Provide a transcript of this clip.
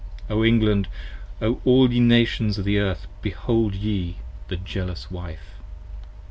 O England, O all ye Nations of the Earth behold ye the Jealous Wife!